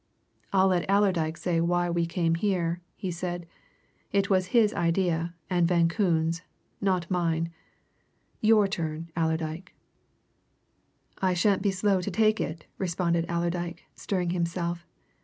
"I'll let Allerdyke say why we came here," he said. "It was his idea and Van Koon's not mine. Your turn, Allerdyke." "I shan't be slow to take it," responded Allerdyke, stirring himself.